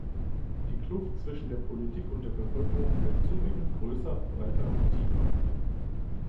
Die Kluft zwischen der Politik und der Bevölkerung wird zunehmend größer, breiter und tiefer.